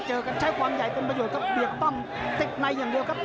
เจอกันใช้ความใหญ่เป็นประโยชน์ครับเบียดป้อมติดในอย่างเดียวครับ